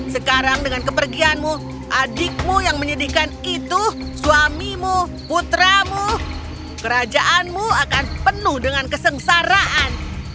sekarang dengan kepergianmu adikmu yang menyedihkan itu suamimu putramu kerajaanmu akan penuh dengan kesengsaraan